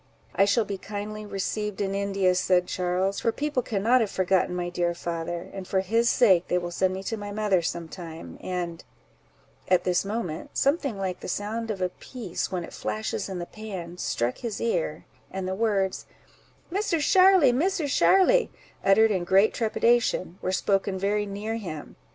—"I shall be kindly received in India," said Charles, "for people cannot have forgotten my dear father; and for his sake they will send me to my mother some time; and—" at this moment, something like the sound of a piece when it flashes in the pan, struck his ear, and the words, "Misser Sharly, Misser Sharly," uttered in great trepidation, were spoken very near him.